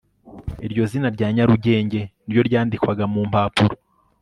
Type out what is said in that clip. iryo zina rya nyarugenge ni ryo ryandikwaga mu mpapuro